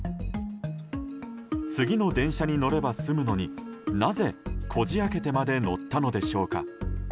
次の電車に乗れば済むのになぜ、こじ開けてまで乗ったのでしょうか。